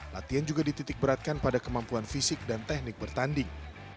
latihan juga dititik beratkan pada kemampuan fisik dan teknik bertanding